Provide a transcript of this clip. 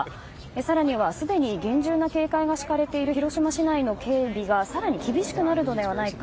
更には、すでに厳重な警戒が敷かれている広島市内の警備が更に厳しくなるのではないか。